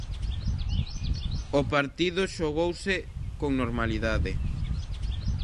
O partido xogouse con normalidade.